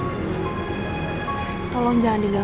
kamu tuh cuma kerjaan tugas